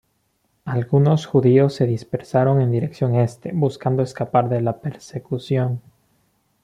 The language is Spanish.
Algunos judíos se dispersaron en dirección este, buscando escapar de la persecución.